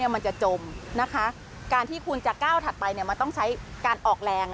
มันจะจมนะคะการที่คุณจะก้าวถัดไปมันต้องใช้การออกแรง